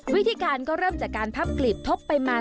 วิธีการก็เริ่มจากการพับกลีบทบไปมา